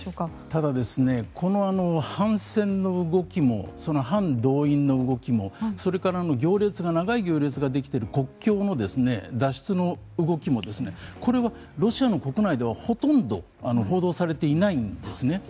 ただ、この反戦の動きもその反動員の動きもそれから、長い行列ができている国境の脱出の動きもこれはロシア国内ではほとんど報道されていないんです。